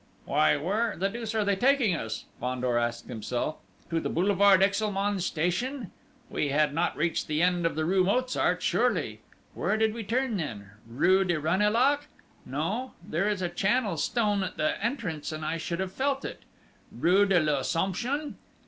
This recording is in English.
"Why, where the deuce are they taking us?" Fandor asked himself. "To the boulevard Exelmans station?... We had not reached the end of the rue Mozart, surely!... Where did we turn then? Rue du Ranelagh?... No, there is a channel stone at the entrance, and I should have felt it!... Rue de l'Assomption!...